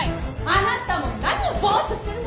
あなたも何をボーッとしてるのよ！